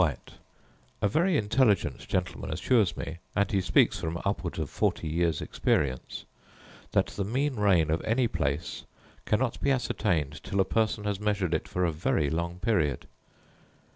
1, 1787, there fell 39 57 * A very intelligent gentleman assures me (and he speaks from upwards of forty years' experience) that the mean rain of any plate cannot be ascertained till a person has measured it for a very long period.